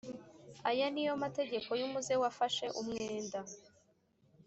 ayo ni yo mategeko y umuze wafashe umwenda